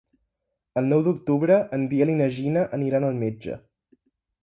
El nou d'octubre en Biel i na Gina aniran al metge.